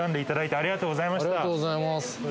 ありがとうございます。